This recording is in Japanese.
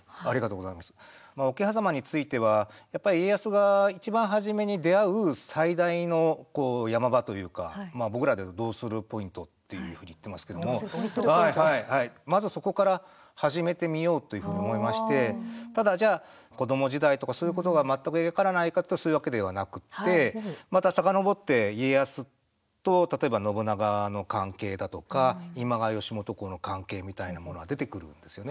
桶狭間については、やっぱり家康がいちばん初めに出会う最大の山場というか僕らでは、どうするポイントっていうふうに言ってますけどもまずそこから始めてみようというふうに思いまして子ども時代とか、そういうことが全く描かれないかっていうとそういうわけではなくてまたさかのぼって、家康と例えば信長の関係だとか今川義元公の関係みたいなものが出てくるんですよね。